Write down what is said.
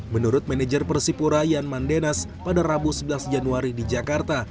menurut manajer persipura yan mandenas pada rabu sebelas januari di jakarta